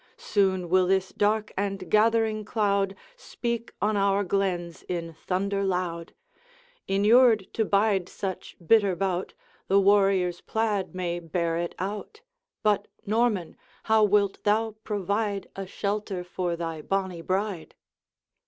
Soon will this dark and gathering cloud Speak on our glens in thunder loud. Inured to bide such bitter bout, The warrior's plaid may bear it out; But, Norman, how wilt thou provide A shelter for thy bonny bride?''